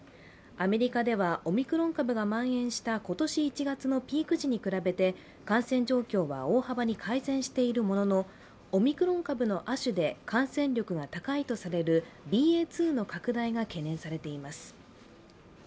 アメリカではオミクロン株がまん延した今年１月のピーク時に比べて感染状況は大幅に改善しているもののオミクロン株の亜種で感染力が高いとされるＢＡ．２の拡大が懸念されています。